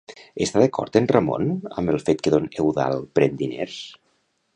Està d'acord en Ramon amb el fet que don Eudald pren diners?